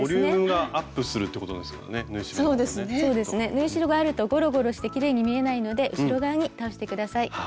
縫い代があるとゴロゴロしてきれいに見えないので後ろ側に倒して下さい。